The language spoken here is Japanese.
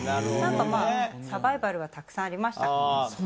なんかまあ、サバイバルはたくさんありましたね。